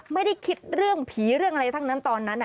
ไม่ได้คิดเรื่องผีเรื่องอะไรทั้งนั้นตอนนั้น